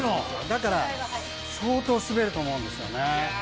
だから相当滑ると思うんですよね。